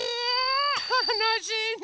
たのしいね！